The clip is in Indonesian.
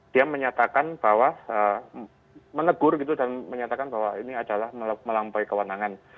dia menyatakan bahwa menegur gitu dan menyatakan bahwa ini adalah melampaui kewenangan